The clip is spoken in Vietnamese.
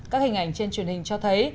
các hình ảnh trên truyền hình cho thấy